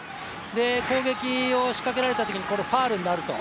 攻撃を仕掛けられたときにファウルになると。